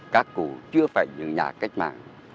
các cụ chưa phải như nhà cách mạng